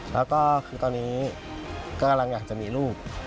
แล้วก็คือตอนนี้กำลังอยากจะมีลูก